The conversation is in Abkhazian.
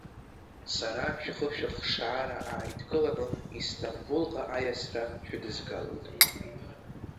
Сара шәхы шәыхшаара ааидкыланы Истамбулҟа аиасра шәыдызгалоит.